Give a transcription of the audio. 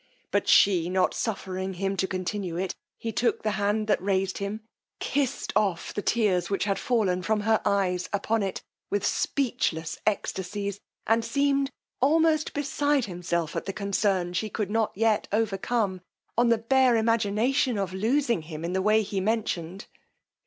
But she not suffering him to continue in it, he took the hand that raised him, kissed off the tears which had fallen from her eyes upon it, with speechless extacies, and seemed almost beside himself at the concern she could not yet overcome, on the bare imagination of losing him in the way he mentioned.